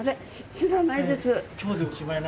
知らないです。